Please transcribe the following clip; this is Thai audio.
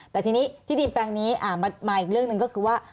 แต่ทีนี้ที่ดินแปลงนี้มาอีกเรื่องหนึ่งก็คือว่า